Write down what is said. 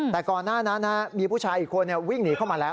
แต่ก่อนหน้านั้นมีผู้ชายอีกคนวิ่งหนีเข้ามาแล้ว